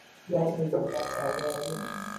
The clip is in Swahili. Gari limepata ajali.